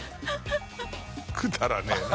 くだらねえな。